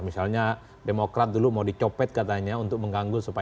misalnya demokrat dulu mau dicopet katanya untuk mengganggu